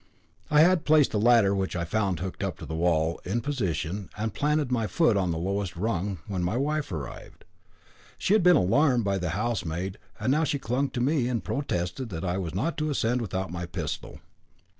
I had placed the ladder, which I found hooked up to the wall, in position, and planted my foot on the lowest rung, when my wife arrived. She had been alarmed by the housemaid, and now she clung to me, and protested that I was not to ascend without my pistol.